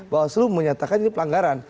bawaslu menyatakan ini pelanggaran